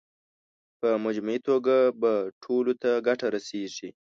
په مجموعي توګه به ټولو ته ګټه رسېږي.